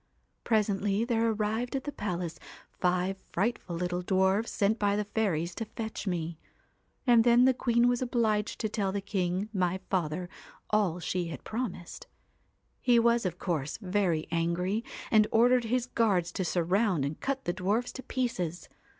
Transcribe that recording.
' Presently there arrived at the palace five frightful little dwarfs sent by the fairies to fetch me; and then the queen was obliged to tell the king, my father, all she had promised. He was, of course, very angry, and ordered his guards to surround and cut the dwarfs to pieces.